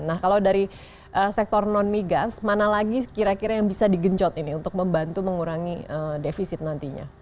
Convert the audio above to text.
nah kalau dari sektor non migas mana lagi kira kira yang bisa digencot ini untuk membantu mengurangi defisit nantinya